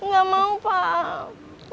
gak mau pak